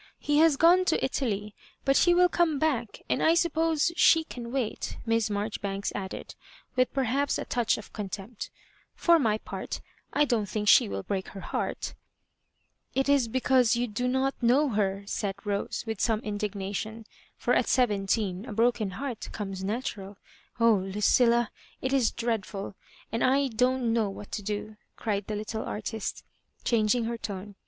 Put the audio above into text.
He has gone to Italy, but he will come back, and I suppose she can wait," Miss Marjoribanks added, with perhaps a touch of contempt " For my part, I don't think she will break her heart" "It is because you do not know her," said Rose, with some indignation^ for at seventeen a broken heart comes natural " Oh, Lucilla, it is dreadful, and I don't know what to do I" cried the little artist, changing her tone.